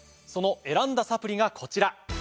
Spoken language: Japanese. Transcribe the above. その選んだサプリがこちら。